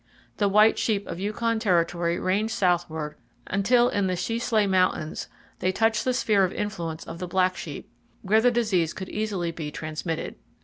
The white sheep of Yukon Territory range southward until in the Sheslay Mountains they touch the sphere of influence of the black sheep, where the disease could easily be transmitted.